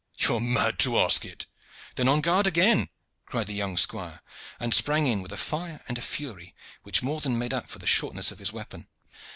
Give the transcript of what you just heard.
"You are mad to ask it." "Then on guard again!" cried the young squire, and sprang in with a fire and a fury which more than made up for the shortness of his weapon.